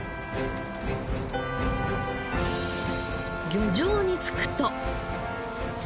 漁場に着くと。